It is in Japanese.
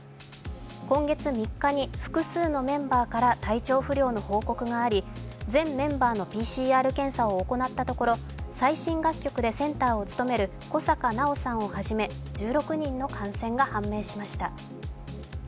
今月３日に複数のメンバーから体調不良の報告があり、全メンバーのＰＣＲ検査を行ったところ最新楽曲でセンターを務める小坂菜緒さんをはじめ１６人の感染が判明しました。